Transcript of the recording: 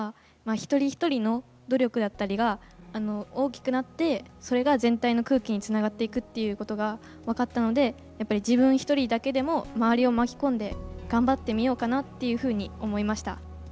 一人一人の努力だったりが大きくなってそれが全体の空気につながっていくっていうことが分かったのでやっぱり自分一人だけでも周りを巻き込んで頑張ってみようかなっていうふうに思いました。